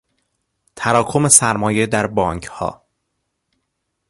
تراکم سرمایه در بانکها